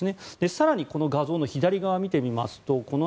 更にこの画像の左側を見てみ゜ますとこの